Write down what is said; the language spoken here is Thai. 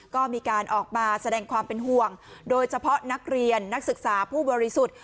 ก็มีการออกมาแสดงความเป็นห่วงโดยเฉพาะนักเรียนนักศึกษาผู้บริสุทธิ์